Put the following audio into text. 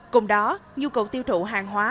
cùng đó nhu cầu tiêu thụ hàng hóa